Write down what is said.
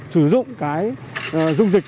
sử dụng cái dung dịch